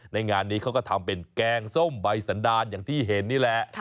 ในงานนี้เขาก็ทำเป็นแกงส้มใบสันดารอย่างที่เห็นนี่แหละ